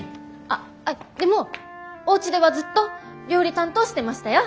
あっでもおうちではずっと料理担当してましたよ。